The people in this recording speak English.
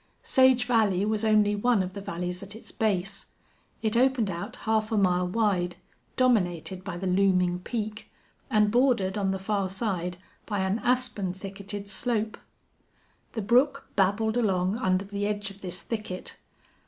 Sage Valley was only one of the valleys at its base. It opened out half a mile wide, dominated by the looming peak, and bordered on the far side by an aspen thicketed slope. The brook babbled along under the edge of this thicket.